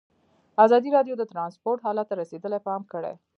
ازادي راډیو د ترانسپورټ حالت ته رسېدلي پام کړی.